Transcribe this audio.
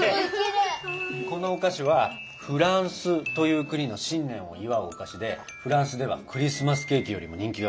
このお菓子はフランスという国の新年を祝うお菓子でフランスではクリスマスケーキよりも人気があるんだよ。